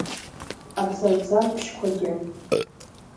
Абзарбзан бжьқәагьы…